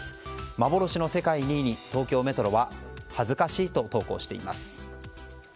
幻の世界２位に東京メトロは恥ずかしいと投稿しています。